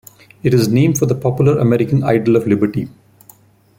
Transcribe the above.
It is named for the popular American ideal of liberty.